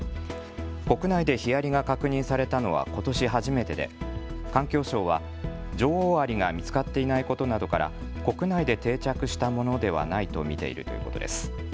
国内でヒアリが確認されたのはことし初めてで環境省は女王アリが見つかっていないことなどから国内で定着したものではないと見ているということです。